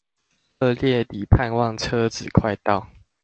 熱烈地盼望車子快到